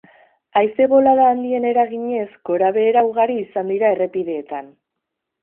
Haize bolada handien eraginez, gorabehera ugari izan dira errepideetan.